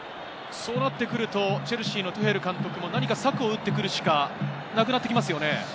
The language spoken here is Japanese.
そうなってくると、チェルシーのトゥヘル監督は何か策を打ってくるしかなくなってきますよね。